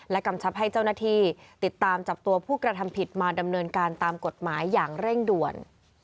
กำชับให้เจ้าหน้าที่ติดตามจับตัวผู้กระทำผิดมาดำเนินการตามกฎหมายอย่างเร่งด่วน